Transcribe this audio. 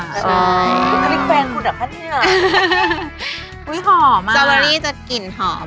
ขนาดนี้แฟนด์ก็จะครับค่ะนิดนึง